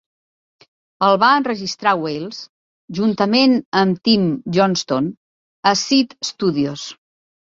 El va enregistrar Wales juntament amb Tim Johnston a Seed Studios.